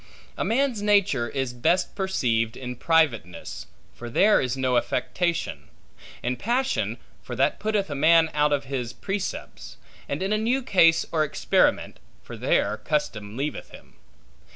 A man's nature is best perceived in privateness, for there is no affectation; in passion, for that putteth a man out of his precepts; and in a new case or experiment, for there custom leaveth him.